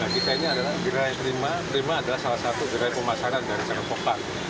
kita ini adalah diraih prima prima adalah salah satu diraih pemasaran dari sarapokan